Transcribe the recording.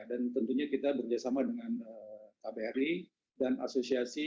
dan tentunya kita bekerjasama dengan kbri dan asosiasi kbri